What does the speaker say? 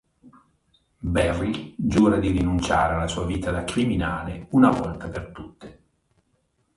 Barry giura di rinunciare alla sua vita da criminale, una volta per tutte.